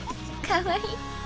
かわいい。